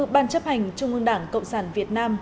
ban chấp hành trung ương đảng cộng sản việt nam